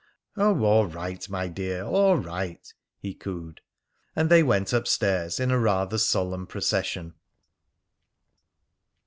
"Oh, all right, my dear! All right!" he cooed. And they went up stairs in a rather solemn procession.